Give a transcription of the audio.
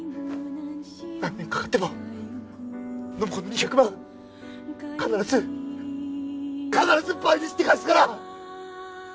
何年かかっても暢子の２００万必ず必ず倍にして返すから！